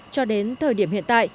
cho đến thời điểm hiện tại